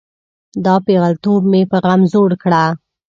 دا پیغلتوب مې په غم زوړ کړه.